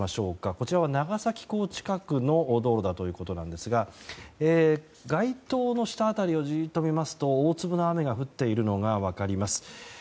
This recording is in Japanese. こちらは長崎港近くの道路だということなんですが街灯の下辺りをじっと見ますと大粒の雨が降っているのが分かります。